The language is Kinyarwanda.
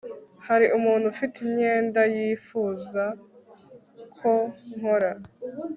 hari umuntu ufite imyenda yifuza ko nkora